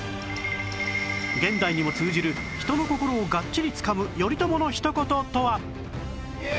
現代にも通じる人の心をガッチリつかむ頼朝のひと言とは？